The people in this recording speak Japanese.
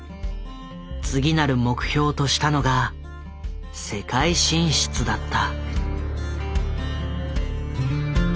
次なる目標としたのが世界進出だった。